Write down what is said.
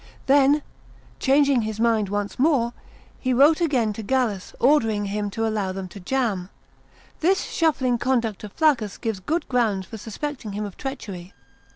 Then, changing his mind once more, he wrote again to Gallus, ordering him to allow them to pass. This shuffling conduct of Flaccus gives good ground for suspecting him of treachery.